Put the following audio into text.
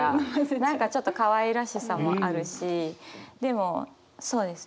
何かちょっとかわいらしさもあるしでもそうですね